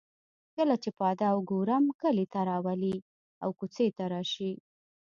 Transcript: کله چې پاده او ګورم کلي ته راولي او کوڅې ته راشي.